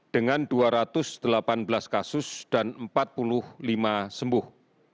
dengan dua ratus delapan belas kasus dan empat puluh lima sembuh